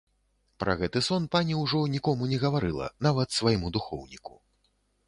Пра гэты сон пані ўжо нікому не гаварыла, нават свайму духоўніку.